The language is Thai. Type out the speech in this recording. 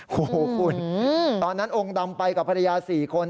โอ้โหคุณตอนนั้นองค์ดำไปกับภรรยา๔คน